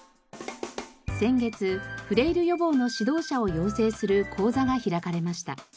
先月フレイル予防の指導者を養成する講座が開かれました。